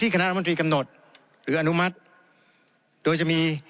ที่คณะรัฐมนตรีกำหนดหรืออนุมัติ